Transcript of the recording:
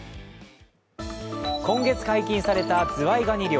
今月解禁されたズワイガニ漁。